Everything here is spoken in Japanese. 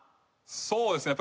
そうですね